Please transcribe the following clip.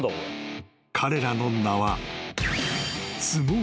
［彼らの名は］